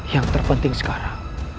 yang terpenting sekarang